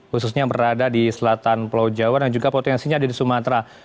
khususnya berada di selatan pulau jawa dan juga potensinya ada di sumatera